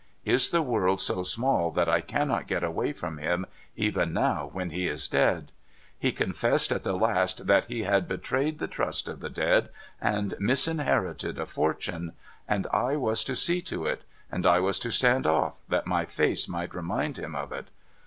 Is the world so small that I cannot get away from him, even now when he is dead ? He con fessed at the last that he had betrayed the trust of the dead, and misinherited a fortune. And I was to see to it. And I was to stand off, that my face might remind him of it.